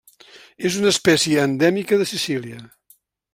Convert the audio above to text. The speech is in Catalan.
És una espècie endèmica de Sicília.